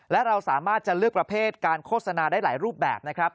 และเราสามารถจะเลือกประเภทการโฆษณาได้หลายรูปแบบนะครับ